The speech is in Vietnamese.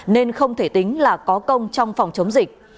nên không thể tính là có công trong phòng chống dịch